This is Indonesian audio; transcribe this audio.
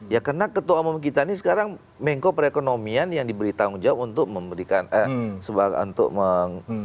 ya karena ketua umum kita ini sekarang mengkop rekonomian yang diberi tanggung jawab untuk memberikan untuk meng